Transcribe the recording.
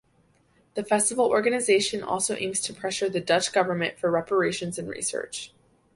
The festival organisation also aims to pressure the Dutch government for reparations and research.